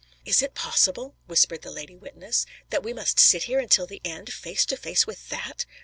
"Is it possible," whispered the lady witness, "that we must sit here until the end, face to face with that!"